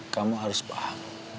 kamu harus paham